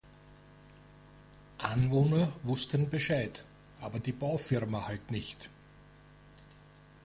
Anwohner wussten Bescheid, aber die Baufirma halt nicht.